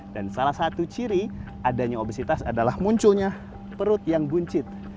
dan salah satu ciri adanya obesitas adalah munculnya perut yang buncit